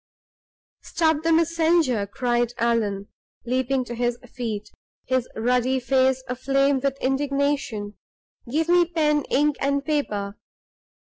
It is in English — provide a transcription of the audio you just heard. "Stop the messenger!" cried Allan, leaping to his feet, his ruddy face aflame with indignation. "Give me pen, ink, and paper!